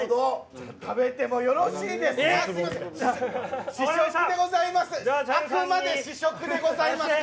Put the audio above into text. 食べてもよろしいですか？